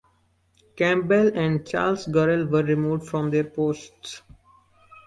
Campbell and Charles Gorrell were removed from their posts.